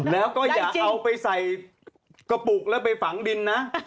แล้วก็อย่าเอาไปใส่กระปุกแล้วไปฝังดินนะ